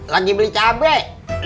lagi beli cabai